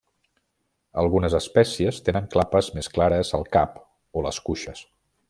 Algunes espècies tenen clapes més clares al cap o les cuixes.